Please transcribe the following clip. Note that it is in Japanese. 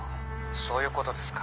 「そういう事ですか」